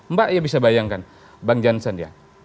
mbak ya bisa bayangkan bang jansen ya